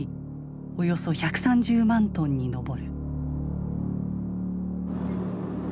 およそ１３０万トンに上る。